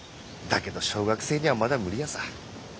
だけど小学生にはまだ無理ヤサ。